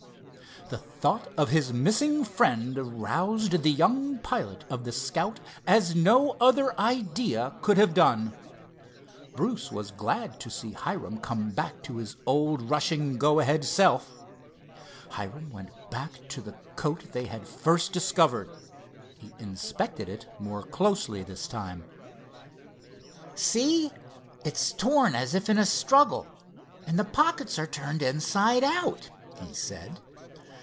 The thought of his missing friend roused the young pilot of the Scout as no other idea could have done. Bruce was glad to see Hiram come back to his old rushing, go ahead self. Hiram went back to the coat they had at first discovered. He inspected it more closely this time. "See, it's torn as if in a struggle, and the pockets are turned inside out," he said.